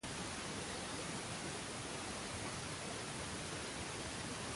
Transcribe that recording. En el interior, tres naves con arcos de medio punto.